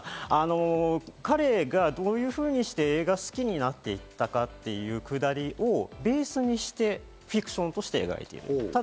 彼がどのようにして、映画を好きになっていったかというくだりをベースにしてフィクションとして描いている。